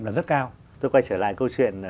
là rất cao tôi quay trở lại câu chuyện